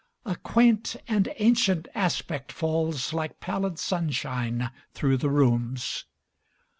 A quaint and ancient aspect falls Like pallid sunshine through the rooms.